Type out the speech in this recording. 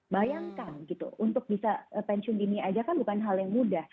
bayangkan gitu untuk bisa pensiun dini aja kan bukan hal yang mudah